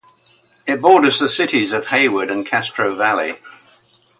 It borders on the cities of Hayward and Castro Valley.